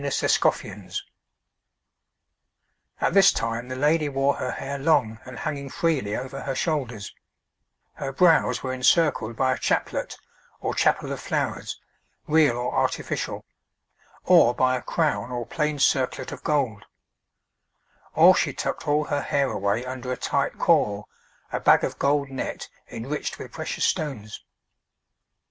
[Illustration: {Two types of head dress for women, showing different views and a detail}] At this time the lady wore her hair long and hanging freely over her shoulders; her brows were encircled by a chaplet, or chapel of flowers, real or artificial, or by a crown or plain circlet of gold; or she tucked all her hair away under a tight caul, a bag of gold net enriched with precious stones.